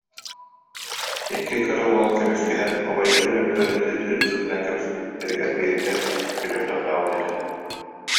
Икки кыра уол көмүскэһэн, убайдарын үрдүгэр ытыы-ытыы сытынан кэбиспиттэригэр биирдэ, күтүр, тохтообут этэ